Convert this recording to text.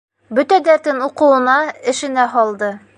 Бөтә дәртен уҡыуына, эшенә һалды.